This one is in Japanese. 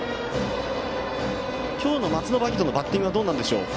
今日の松延晶音のバッティングはどうでしょうか？